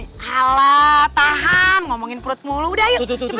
salah tahan ngomongin perut mulu udah ayo cepetan